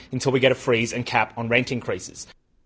sampai kita mendapatkan peningkatan uang dan peningkatan uang